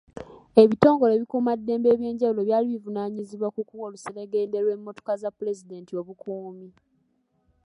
Ebitongole ebikuumaddembe eby'enjawulo byali bivunaanyizibwa ku kuwa oluseregende lw'emmotoka za pulezidenti obukuumi.